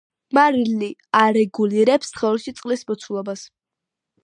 მარილი არეგულირებს სხეულში წყლის მოცულობას.